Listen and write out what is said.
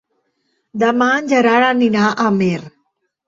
Demà en Gerard anirà a Amer.